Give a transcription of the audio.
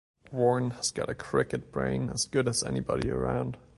Warne has got a cricket brain as good as anybody around.